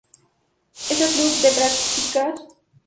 En el club se practican los deportes de waterpolo, natación y triatlón.